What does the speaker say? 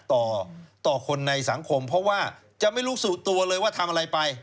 ต่อต่อคนในสังคมเพราะว่าจะไม่รู้สึกตัวเลยว่าทำอะไรไป